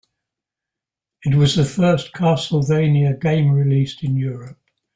It was the first "Castlevania" game released in Europe.